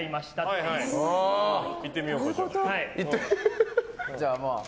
いってみようか。